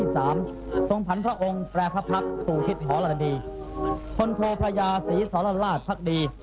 จากนั้นเวลา๑๑นาฬิกาเศรษฐ์พระธินั่งไพรศาลพักศิลป์